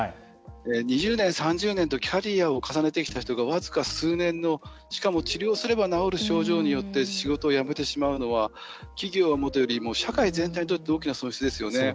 ２０年、３０年とキャリアを重ねてきた人が僅か数年の、しかも治療すれば治る症状によって仕事を辞めてしまうのは企業はもとより社会全体にとって大きな損失ですよね。